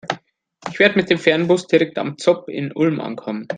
Ich werde mit dem Fernbus direkt am ZOB in Ulm ankommen.